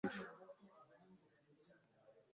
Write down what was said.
yeee ujye uterera ijisho iyo imusozi